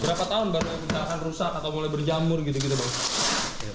berapa tahun baru kita akan rusak atau mulai berjamur gitu gitu bang